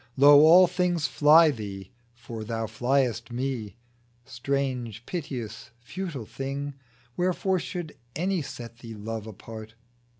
Lo, all things fly thee, for thou fliest Me I Strange, piteous, futile thing, Wherefore should any set thee love apart